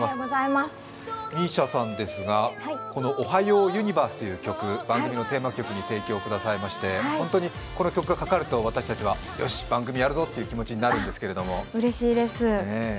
ＭＩＳＩＡさんですが、「おはようユニバース」という曲、番組のテーマ曲に提供くださいまして、本当にこの曲がかかると、私たちはよし、番組やるぞといううれしいです。